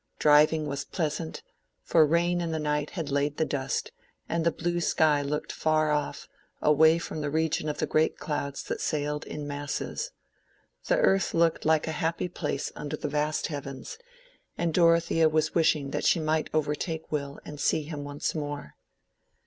Driving was pleasant, for rain in the night had laid the dust, and the blue sky looked far off, away from the region of the great clouds that sailed in masses. The earth looked like a happy place under the vast heavens, and Dorothea was wishing that she might overtake Will and see him once more.